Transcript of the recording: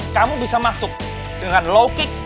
kamu bisa masuk dengan low kick